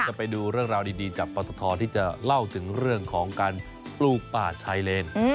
จะไปดูเรื่องราวดีจากปทที่จะเล่าถึงเรื่องของการปลูกป่าชายเลน